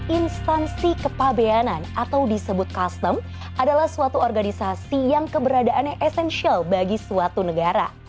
instansi kepabeanan atau disebut custom adalah suatu organisasi yang keberadaannya esensial bagi suatu negara